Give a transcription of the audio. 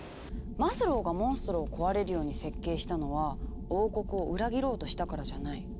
マズローがモンストロを壊れるように設計したのは王国を裏切ろうとしたからじゃない。